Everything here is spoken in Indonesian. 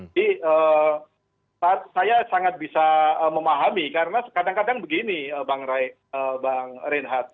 jadi saya sangat bisa memahami karena kadang kadang begini bang ray bang reinhardt